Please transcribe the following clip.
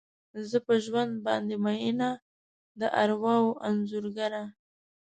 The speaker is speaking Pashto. زه په ژوند باندې میینه، د ارواوو انځورګره